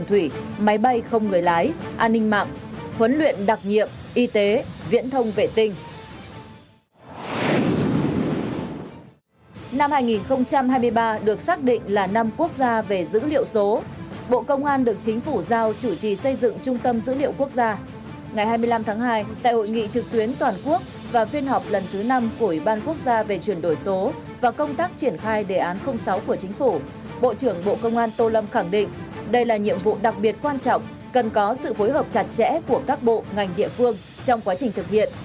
tuần qua đại tướng tô lâm ủy viên bộ chính trị bộ trưởng bộ công an tổ trưởng tổ công tác triển thai đề án sáu của chính phủ đã chủ trì phiên họp tổ đề án tháng hai năm hai nghìn hai mươi ba